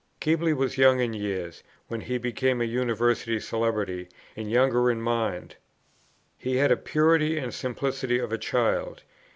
Keble was young in years, when he became a University celebrity, and younger in mind. He had the purity and simplicity of a child.